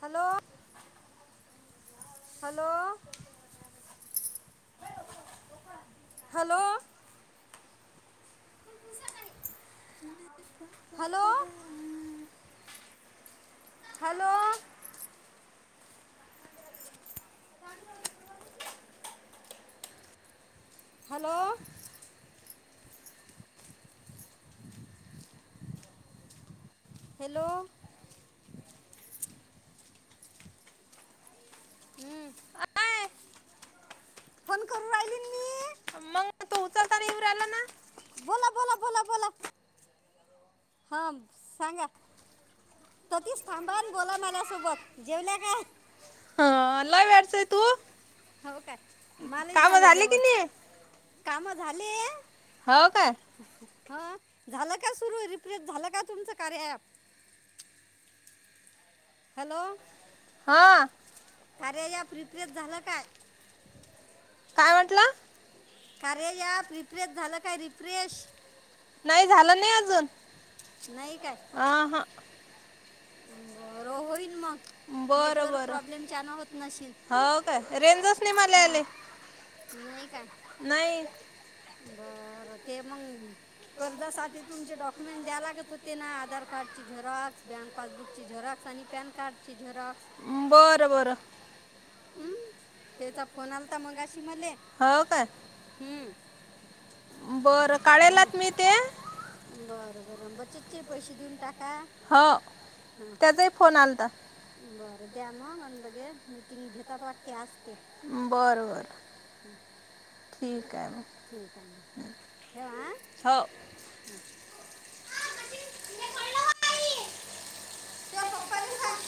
Hello hello hello. Hello. Hello. Hello. Hello. हम्म. Phone करू राहिली ना मी मग तो उचलता र येऊ राहिला ना. बोला बोला बोला बोला हां सांगा ततीस थांबाण बोला माझसोबत. जेवल्या काय? वटचंय तू हो काय मला ही काम झालं झाले की जेवण. नाही काम झाले? हो का. हा झालं का सुरू रिप्लेस झालं का तुमचं कार्य ॲप हॅलो हा. कार्या या प्रिप्रेश झालं काय काय म्हटंला? कार्या याप रिफ्रेश झालं काय रिफ्रेश? नाही झालं नाही अजून नाही काय? आ हा. बरं होईन मग बरं नेटवर्क बरं प्रॉब्लेम च्यान होत नशील हो काय रेंजच नाही मला हम्म आले नाही काय नाही. बरं ते मगं कर्जासाठी तुमचे डॉक्युमेंट द्या लागत होते ना आधार कार्डची झेराॅक्स, बँक पासबुकची झेराॅक्स आणि पॅन कार्डची झेरॉक्स बरं बरं हम्म त्याचा फोन आलाता मगाशी मले हो काय? हम्म. बरं काढल्यात मी ते बर- बर बचतचे पैसेे देऊन टाका. हो हां त्याचाही फोन आलता बरं द्या मग लगेच मिटिंग घेतात वाटतेे आज ते बरं -बरं ठीक आहे म ठीक आहे म ठेऊ हां हो त्यो पप्पाले सांग